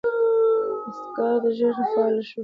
دستګاه ژر فعاله شوه.